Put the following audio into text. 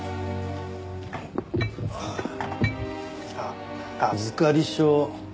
あっ預かり証。